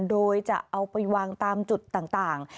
โดยจะเอาไปวางตามจุดต่าง